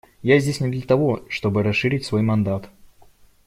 Я здесь не для того, чтобы расширить свой мандат.